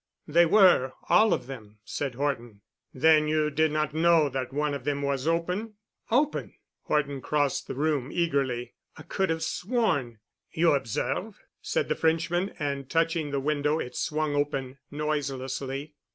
"They were—all of them," said Horton. "Then you did not know that one of them was open?" "Open!" Horton crossed the room eagerly. "I could have sworn——" "You observe——?" said the Frenchman, and touching the window, it swung open noiselessly.